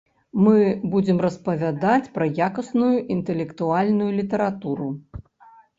Мы будзем распавядаць пра якасную інтэлектуальную літаратуру.